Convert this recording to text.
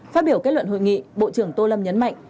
phát biểu kết luận hội nghị bộ trưởng tô lâm nhấn mạnh